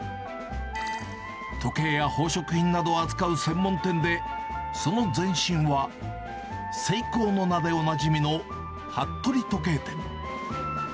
時計や宝飾品などを扱う専門店で、その前身はセイコーの名でおなじみの服部時計店。